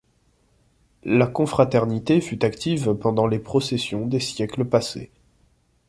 La confraternité fut active pendant les processions des siècles passés.